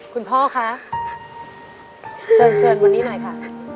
คุณพ่อค่ะชวนชวนวันนี้หน่อยค่ะ